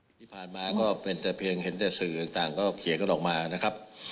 เมื่อปลายมาเป็นเพียงเห็นแต่สื่อต่างขยับออกมาครับ